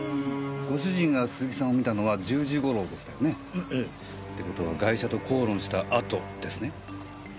ご主人が鈴木さんを見たのは１０時頃でしたよね？って事はガイシャと口論した後ですね？